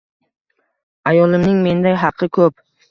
Ayolimning menda haqi ko‘p.